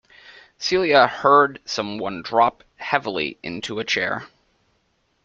Celia heard some one drop heavily into a chair.